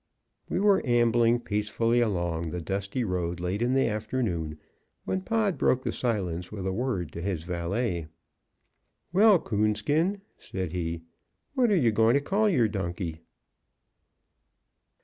We were ambling peacefully along the dusty road late in the afternoon, when Pod broke the silence with a word to his valet. "Well, Coonskin," said he, "what 're you going to call your donkey?"